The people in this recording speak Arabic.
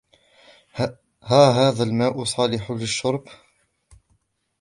ها هذا الماء صالح للشرب؟